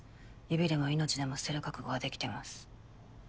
指でも命でも捨てる覚悟はできてます。